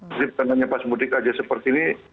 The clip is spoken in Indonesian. kondisi penumpangnya pas mudik saja seperti ini